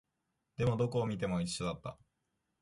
でも、どこを見ても一緒だった